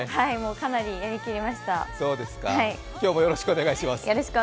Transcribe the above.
かなりやりきりました。